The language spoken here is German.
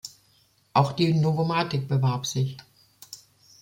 Auch die Novomatic bewarb sich.